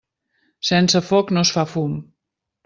Sense foc no es fa fum.